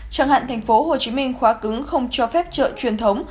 chẳng hạn thành phố hồ chí minh khóa cứng không cho phép chợ truyền thống